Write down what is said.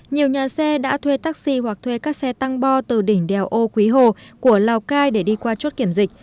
nhiều nhà xe đã thuê taxi hoặc thuê các xe tăng bo từ đỉnh đèo ô quý hồ của lào cai để đi qua chốt kiểm dịch